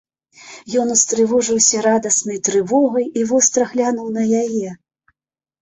Ён устрывожыўся радаснай трывогай і востра глянуў на яе.